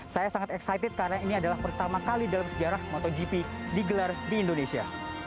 saya sangat excited karena ini adalah pertama kali dalam sejarah motogp digelar di indonesia